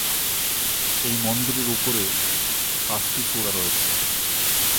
এই মন্দিরে উপরে পাঁচটি চূড়া রয়েছে।